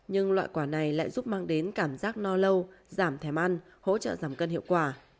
nhưng loại quả này lại giúp mang đến cảm giác no lâu giảm thèm ăn hỗ trợ giảm cân hiệu quả